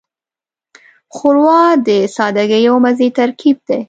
ښوروا د سادګۍ او مزې ترکیب دی.